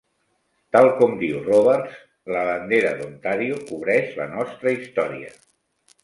Tal com diu Robarts, la bandera d'Ontario cobreix la nostra història.